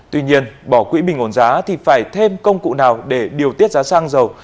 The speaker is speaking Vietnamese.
tuy nhiên bỏ quỹ bình ổn giá thì phải thêm công cụ nào để điều tiết giá sang giàu